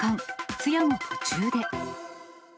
通夜の途中で。